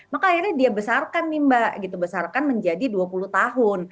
maka akhirnya dia besarkan nih mbak gitu besarkan menjadi dua puluh tahun